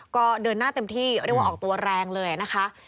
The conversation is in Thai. ก็เดินหน้าเต็มที่เรียกว่าออกตัวแรงเลยนะคะ